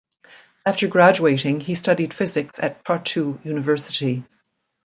After graduating he studied physics at Tartu University.